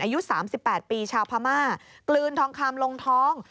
อายุ๓๘ปีชาวพม่ากลืนทองคำลงท้อง